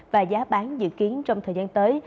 và giá bán dự kiến trong thời gian tới